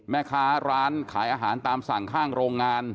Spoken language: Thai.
แม่ค้าร้านขายอาหารตามสั่งข้างโรงงาน